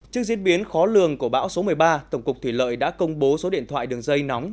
trước diễn biến khó lường của bão số một mươi ba tổng cục thủy lợi đã công bố số điện thoại đường dây nóng